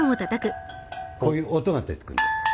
こういう音が出てくる。